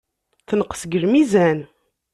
Tenqes deg lmizan.